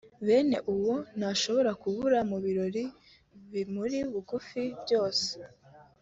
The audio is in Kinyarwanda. bene uwo ntashobora kubura mu birori bimuri bugufi byose